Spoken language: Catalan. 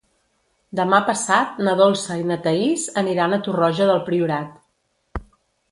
Demà passat na Dolça i na Thaís aniran a Torroja del Priorat.